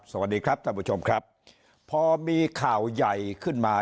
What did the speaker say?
สวัสดีครับท่านผู้ชมครับพอมีข่าวใหญ่ขึ้นมา